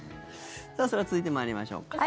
それでは続いて参りましょうか。